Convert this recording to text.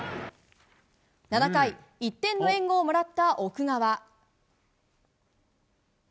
７回、１点の援護をもらった奥川。